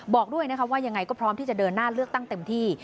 บอกด้วยนะคะว่ายังไงก็พร้อมที่จะเดินหน้าเลือกตั้งเต็มที่